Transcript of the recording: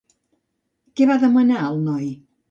Què va demanar el noi?